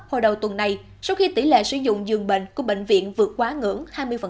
hồi đầu tuần này sau khi tỷ lệ sử dụng dường bệnh của bệnh viện vượt quá ngưỡng hai mươi